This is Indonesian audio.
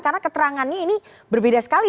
karena keterangannya ini berbeda sekali